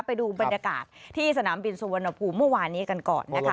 ไปดูบรรยากาศที่สนามบินสุวรรณภูมิเมื่อวานนี้กันก่อนนะคะ